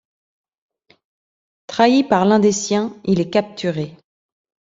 Trahi par l'un des siens, il est capturé.